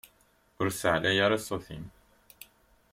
Ur ssiεlay ara ssut-im!